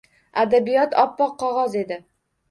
Adabiyot oppoq qog’oz edi